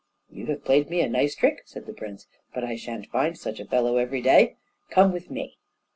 "You have played me a nice trick," said the prince, "but I shan't find such a fellow every day; come with me."